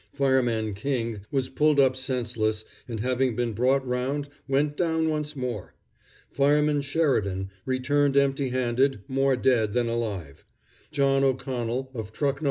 Fireman King was pulled up senseless, and having been brought round, went down once more. Fireman Sheridan returned empty handed, more dead than alive. John O'Connell, of Truck No.